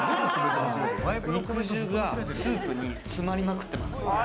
肉汁がスープに詰まりまくってます。